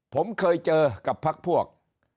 ผมเคยเจอกับพักพวก